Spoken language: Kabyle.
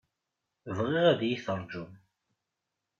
Bɣiɣ ad yi-terjum.